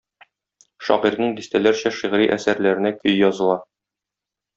Шагыйрьнең дистәләрчә шигъри әсәрләренә көй языла.